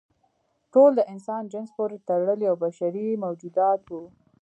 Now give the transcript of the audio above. ټول د انسان جنس پورې تړلي او بشري موجودات وو.